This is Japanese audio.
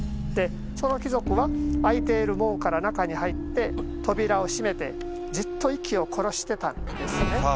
その貴族は開いている門から中に入って扉を閉めてじっと息を殺してたんですね。